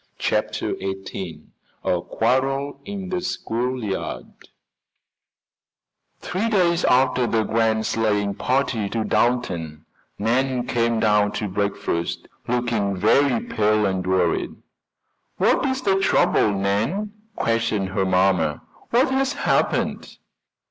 CHAPTER XVIII A QUARREL IN THE SCHOOLYARD Three days after the grand sleighing party to Dalton, Nan came down to breakfast looking very pale and worried. "What is the trouble, Nan?" questioned her mamma. "What has happened?"